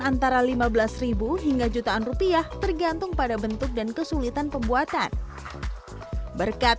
antara lima belas hingga jutaan rupiah tergantung pada bentuk dan kesulitan pembuatan berkat